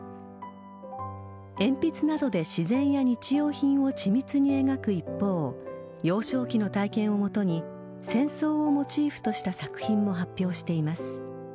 鉛筆などで自然や日用品を緻密に描く一方幼少期の体験をもとに戦争をモチーフとした作品も発表しています。